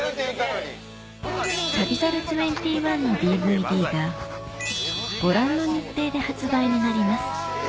『旅猿２１』のＤＶＤがご覧の日程で発売になります